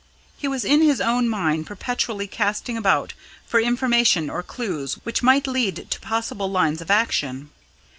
He was in his own mind perpetually casting about for information or clues which might lead to possible lines of action.